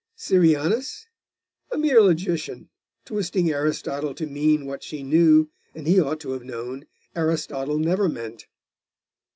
Syrianus? A mere logician, twisting Aristotle to mean what she knew, and he ought to have known, Aristotle never meant.